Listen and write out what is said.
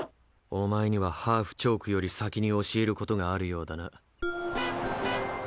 お前にはハーフ・チョークより先に教えることがあるようだな。